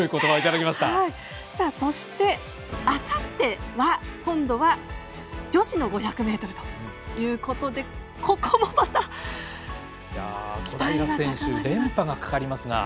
そしてあさっては今度は女子の５００ｍということでここもまた期待が高まります。